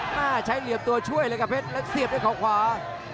มาใช้เหลี่ยมตัวช่วยเลยกับเพชรแล้วเสียบด้วยเขาขวา